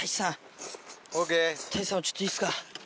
太一さんもちょっといいですか。